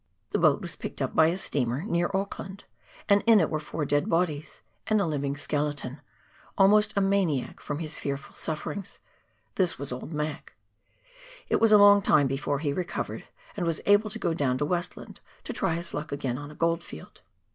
The boat was picked up by a steamer, near Auckland, and in it were four dead bodies, and a living skeleton, almost a maniac from his fearful sufferings — this was old Mac. It was a long time before he recovered, and was able to go down to Westland to try his luck again on a goldfield.